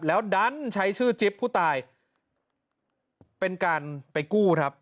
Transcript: แล้วดันใช้ชื่อจิ๊บผู้ตายเป็นการไปกู้ครับ